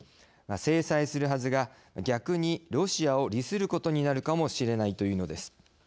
制裁するはずが逆にロシアを利することになるかもしれないというのです。